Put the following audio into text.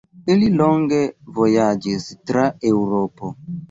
Ili longe vojaĝis tra Eŭropo.